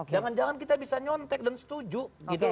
jangan jangan kita bisa nyontek dan setuju gitu loh